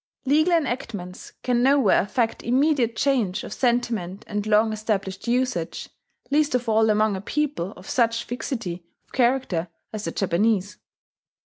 Legal enactments can nowhere effect immediate change of sentiment and long established usage, least of all among a people of such fixity of character as the Japanese.